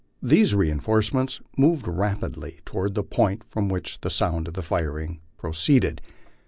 These reinforcements moved rapidly toward the point from which the sound of firing proceeded.